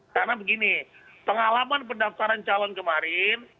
karena begini pengalaman pendaftaran calon kemarin